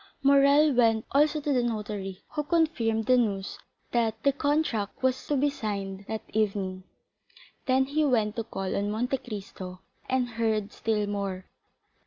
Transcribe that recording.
Morrel went also to the notary, who confirmed the news that the contract was to be signed that evening. Then he went to call on Monte Cristo and heard still more.